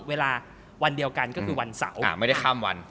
เวลาวันเดียวกันก็คือวันเสาร์